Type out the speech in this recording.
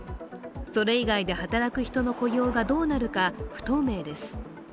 それ以外で働く人の雇用がどうなるか、不透明です。